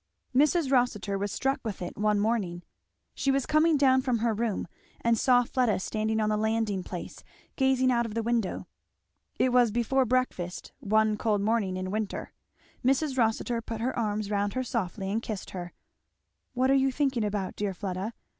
Mrs. Rossitur was struck with it one morning. She was coming down from her room and saw Fleda standing on the landing place gazing out of the window. It was before breakfast one cold morning in winter. Mrs. Rossitur put her arms round her softly and kissed her. "What are you thinking about, dear Fleda?